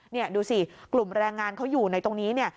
นี่ดูสิกลุ่มแรงงานเขาอยู่ในตรงนี้เนี่ย